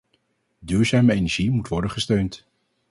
Duurzame energie moet worden gesteund.